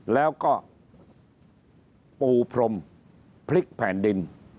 แล้วก็ปูพรมพลิกแผ่นดิน